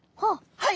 はい。